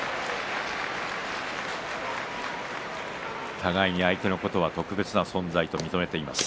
互いに相手のことは特別な存在と認めています。